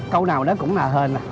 câu nào đó cũng là hên